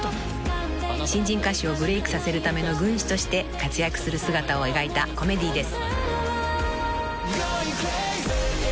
［新人歌手をブレークさせるための軍師として活躍する姿を描いたコメディーです］